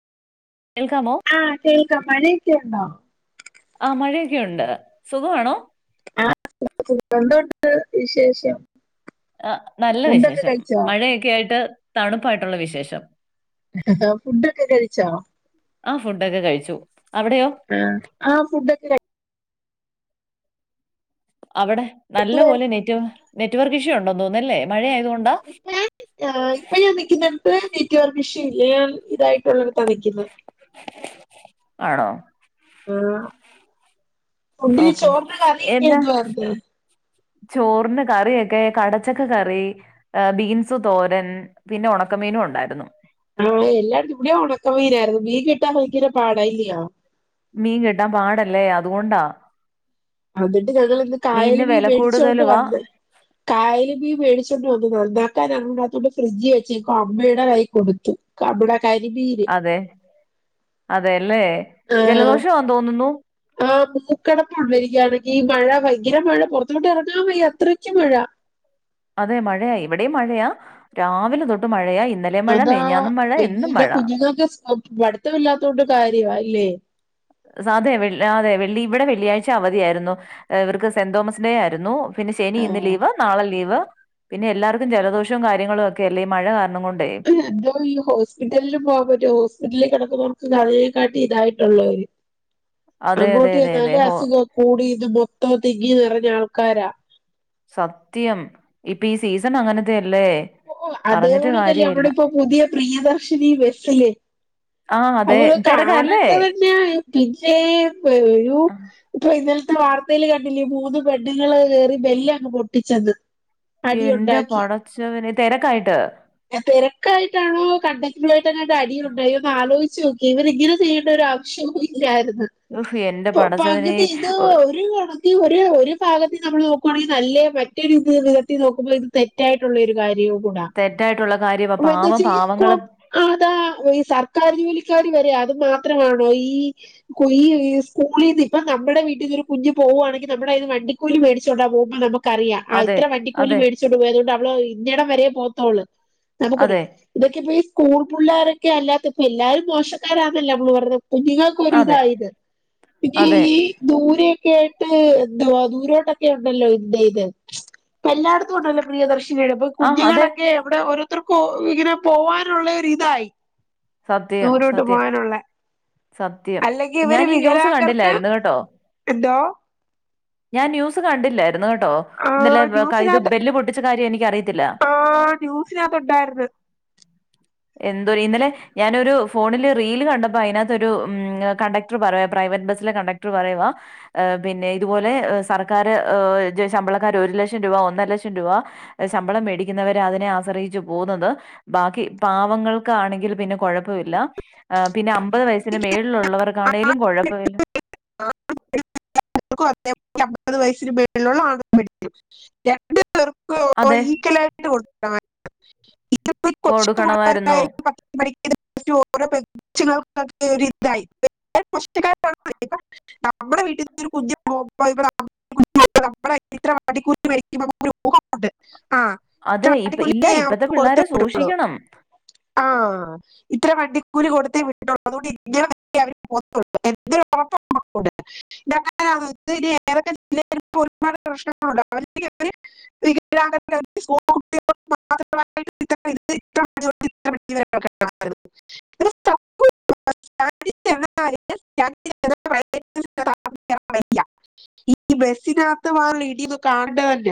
കേൾക്കാമോ? ആഹ് കേൾക്കാ മഴയൊക്കെ ഉണ്ടോ? ആഹ് മഴയൊക്കെയുണ്ട് സുഖവാണോ? [unintelligible] എന്തുണ്ട് വിശേഷം ആഹ് നല്ല ഫുഡൊക്കെ വിശേഷം കഴിച്ചോ മഴയൊക്കെ ആയിട്ട് തണുപ്പായിട്ടുള്ള വിശേഷം ഫുഡൊക്കെ കഴിച്ചോ? ആഹ് ഫുഡൊക്കെ കഴിച്ചു അവിടെയോ? ആഹ് ഫുഡ് ഒക്കെ ക അവിടെ നല്ല കഴിച്ചു പോലെ നെറ്റ് നെറ്റ് വർക്ക് ഇഷ്യൂ ഉണ്ടോ തോന്നുന്നല്ലേ മഴ ആയതുകൊണ്ടാ? ഇപ്പൊ ഞാൻ നിൽക്കുന്നിടത്ത് നെറ്റ്‌വർക്ക് ഇഷു ഇല്ല ഞാൻ ഇതായിട്ടു [unintelligible] നിക്കുന്നെ ആണോ? ആ ഫുഡിന് ഓക്കെ ചോറിനു കറി എന്നാ എന്തുവാത്? ചോറിന് കറിയൊക്കെ കടച്ചക്ക കറി. ബീൻസ് തോരൻ പിന്നെ ഉണക്കമീനും ഉണ്ടായിരുന്നു ആഹ് എല്ലായിടത്തും ഇവിടെ ഉണക്ക മീനായിരുന്നു മീൻ കിട്ടാൻ ഭയങ്കര പാട് തന്നെയാ മീൻ കിട്ടാൻ പാടല്ലേ അതുകൊണ്ടാ അന്നിട്ട് ഞങ്ങളിന്ന് കായൽ മീനിന് മീൻ വില മേടിച്ചോണ്ട് കൂടുതലുവാ വന്ന് കായല് മീൻ മേടിച്ചോണ്ട് വന്നു നന്നാക്കാൻ അറിയാത്തതുകൊണ്ട് ഫ്രിഡ്ജ് വെച്ചേക്കും അമ്മയുടെ കൈ കൊടുത്തു കബട കരി ബി അതെ അതെല്ലേ ആഹ് ജലദോഷമാ തോന്നുന്നു ആ മൂക്കടപ്പ് ഉണ്ട വരികുകയാണെങ്കി ഈ മഴ ഭയങ്കര മഴ പുറത്തോട്ട് ഇറങ്ങാൻ വയ്യ അത്രയ്ക്ക് മഴ അതെ മഴയാ ഇവിടെയും മഴയാ രാവിലെ തൊട്ട് മഴയാ ഇന്ന അതാ പി ന്നെ കുഞ്ഞുങ്ങൾക്ക് പഠിത്തമില്ലാത്ത കൊണ്ട് കാര്യമാ അല്ലേ സാ തെ അതെ വെള്ളി ഇവിടെ വെള്ളിയാഴ്ച അവധിയായിരുന്നു ഇവർക്ക് സെന്റ് തോമസ് ഡേ ആയിരുന്നു പിന്നെ ശനി ഇന്ന് ആഹ് ലീവ് നാളെ ലീവ് പിന്നെ എല്ലാവർക്കും ജലദോഷവും കാര്യങ്ങളും ഒക്കെ അല്ലേ ഈ മഴ കാരണം കൊണ്ടേ എന്തോ ഈ ഹോസ്പിറ്റലിലും പോവാൻ പറ്റോ ഹോസ്പിറ്റലിൽ കിടക്കുന്നവർക്ക് അതിനെക്കാട്ടി ഇതായിട്ടുള്ളര് അതെ അതെ അങ്ങോട്ടി അതെ അതെ. നല്ല ഹോ അസുഖം കൂടിന്ന് മൊത്തം തിങ്ങി നിറഞ്ഞ ആൾക്കാരാ സത്യം ഇപ്പം ഈ സീസൺ അങ്ങനത്തെ അല്ലേ ഓഹ് അതേവോണക്കല്ലേ അവിടെ ഇപ്പോ പുതിയ പ്രിയദർശിനി ബസ്സില് ആ അതെ അപ്പോൾ തിരക്കല്ലേ? കാണേണ്ട തന്നെയ പിന്നെ ഒരു ആ, ഇപ്പൊ ഇന്നലത്തെ വാർത്തയിൽ കണ്ടില്ലേ മൂന്ന് പെണ്ണുങ്ങൾ കേറി ബെല്ലാണ് പൊട്ടിച്ചത് എന്റെ പടച്ചവനെ തെരക്കായിട്ട് തിരക്കായിട്ടാണോ കണ്ടക്കള ആയിട്ട് അങ്ങട്ട് അടിയിയിലുണ്ട് അ ഒന്ന് ആലോചിച്ച് നോക്കി ഇവരിങ്ങനെ ചെയ്യേണ്ട ഉഫ് എന്റെ [unintelligible] പകുതി ഇത് പടച്ചവനെ ഒരു ഈ ഒരു ഒരു ഭാഗത്തിൽ നമ്മൾ നോക്കുവാണെങ്കിൽ നല്ല മറ്റൊരു വിധത്തിൽ നോക്കുമ്പോൾ ഇത് തെറ്റായിട്ടുള്ളൊരു കാര്യം കൂട തെറ്റായിട്ടുള്ള കാര്യവാ പാവം പാവങ്ങള് അതാ ഈ സർക്കാർ ജോലിക്കാര് വരെ അത് മാത്രമാണോ ഈ കുയ്യി ഈ സ്കൂളിൽന്ന് ഇപ്പം നമ്മുടെ വീട്ടിൽന്ന് ഒരു കുഞ്ഞ് പോവുവാണെങ്കിൽ നമ്മുടെത് വണ്ടിക്കൂലി മേടിച്ചുണ്ടാ പോകുമ്പോ നമുക്ക് അറിയാം ആ അതെ ഇത്ര വണ്ടിക്കൂലി അതെ മേടിച്ചുകൊണ്ട് പോയതുകൊണ്ട് അവള് ഇന്നിടം വര പോത്തോളൂ നമുക്കൊരു അതെ ഇതൊക്കെ ഇപ്പം ഈ സ്കൂൾ പിള്ളോരൊക്കെ അല്ലാത്തപ്പം എല്ലാരും മോഷക്കാരാണല്ല നമ്മള് പറഞ്ഞത് കുഞ്ഞിങ്ങ ഒരു അതെ ഇതായത് പിന്നെ അതെ ഈ നൂരൊക്കെ ആയിട്ട് എന്തുവാ നൂരോട്ടൊക്കെ ഉണ്ടല്ലോ ഇന്ത്യയില് എല്ലാടത്തും ഉണ്ടല്ലോ പ്രിയദർശിനി അപ്പം ആ അതെ കുഞ്ഞുങ്ങളൊക്കെ എവിടെ ഓരോരുത്തർക്കും ഇങ്ങനെ പോവാനുള്ള ഒരു ഇതായി സത്യം ദൂരോട്ട് സത്യം പോകാനുള്ള സത്യം അല്ലെങ്കി ഇവര് ഞാൻ ഈ ന്യൂസ് വികലാങ്കർക്ക കണ്ടില്ലായിരുന്നു കേട്ടോ എന്തോ? ഞാൻ ന്യൂസ് കണ്ടില്ലായിരുന്നു കേട്ടോ ആ ഇന്നലെ കൈത് ബെല്ല് പൊട്ടിച്ച കാര്യം എനിക്ക് അറിയത്തില്ല ആഹ് ന്യൂസിലകത്ത് ഉണ്ടായിരുന്നു എന്തോ രിന്നലെ ഞാനൊരു ഫോണില് റീൽ കണ്ടപ്പോ അയിനക ത്തൊരു ഉം കണ്ടക്ടർ പറയ പ്രൈവറ്റ് ബസ്സിലെ കണ്ടക്ടർ പറയുവാ ങ് പിന്നെ ഇതുപോലെ സർക്കാർ ശമ്പളക്കാര് ഒരു ലക്ഷം രൂപ ഒന്നര ലക്ഷം രൂപ ശമ്പളം മേടിക്കുന്നവരെ അതിനെ ആശ്രയിച്ചു പോകുന്നത് ബാക്കി പാവങ്ങൾക്കാണെങ്കിൽ പിന്നെ കുഴപ്പമില്ല പിന്നെ അമ്പത് പൈസ മേലിലുള്ളവർക്കാണേലും കുഴപ്പമി [unintelligible] അമ്പത് വയസ്സിന് മേലിലുള്ള ആണിനും പറ്റും രണ്ട് പേർക്കും അതെ ഈക്വൽ ആയിട്ട് കൊടുക്കാൻ ഇതിപ്പം കൊച്ചി കൊടുക്കണമായിരുന്നു [unintelligible] [unintelligible] ഇതായി [unintelligible] നമ്മുടെ വീട്ടിന്ന് ഒരു കുഞ്ഞ് പോകുമ്പോ ഇവിടെ [unintelligible] നമ്മളേ ഇത്ര അടിക്കൂറ്റി [unintelligible] നമുക്കൊര് ഊഹമുണ്ട് അതെ ഇപ്പ ഇല്ല ഇപ്പത്തെ [unintelligible] കൊടുത്ത പിള്ളേരെ വിടുള്ളു സൂക്ഷിക്കണം ആഹ് ഇത്ര വണ്ടിക്കൂലി കൊടുത്തെ വിട്ടിട്ടുള്ളൂ അതുകൊണ്ട് ഇങ്ങനെ [unintelligible] പോവത്തുള്ളു [unintelligible] ഇതാ ഏതൊക്കെ ഒരുപാട് പ്രശ്നങ്ങളുണ്ട് [unintelligible] [unintelligible] [unintelligible] [unintelligible] [unintelligible] ഈ ബസിനകത്ത് വാറി ഇടിന്ന് കാണേണ്ട തന്നെയ